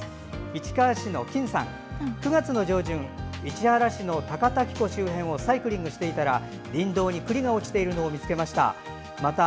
市川市のｋｉｎ３。９月の上旬千葉県市原市の高滝湖周辺をサイクリングしていたら林道に、くりが落ちているのを見つけました。